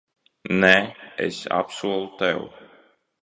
Nē, es apsolu tev.